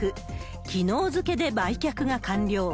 きのう付けで売却が完了。